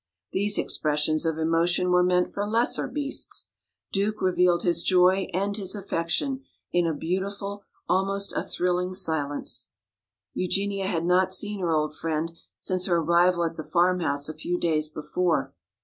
These expressions of emotion were meant for lesser beasts; Duke revealed his joy and his affection in a beautiful, almost a thrilling silence. Eugenia had not seen her old friend since her arrival at the farmhouse a few days before.